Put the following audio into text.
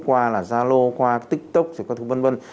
qua zalo qua tiktok qua thứ vân vân